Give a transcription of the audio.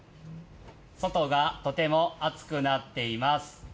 外がとても暑くなっています。